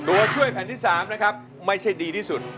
ตัวช่วยแผ่นที่๓นะครับไม่ใช่ดีที่สุด